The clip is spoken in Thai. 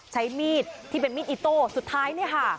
ใช้มีดที่เป็นมีดอิโต้สุดท้ายเนี่ยค่ะ